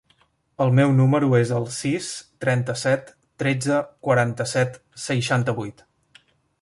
El meu número es el sis, trenta-set, tretze, quaranta-set, seixanta-vuit.